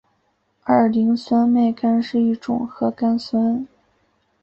二磷酸腺苷是一种核苷酸。